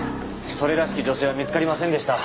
それらしき女性は見つかりませんでした。